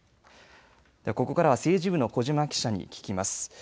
ここからは政治部の小嶋記者に聞きます。